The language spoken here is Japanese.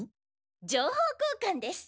情報交かんです！